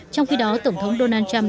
trong khi đó tổng thống donald trump